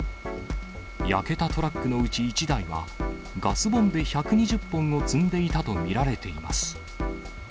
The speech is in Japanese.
焼けたトラックのうち１台は、ガスボンベ１２０本を積んでいたと見られています。